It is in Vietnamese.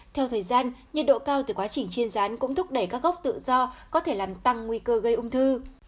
theo thời gian nhiệt độ cao từ quá trình chiên rán cũng thúc đẩy các gốc tự do có thể làm tăng nguy cơ gây ung thư